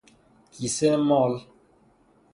کیسه مال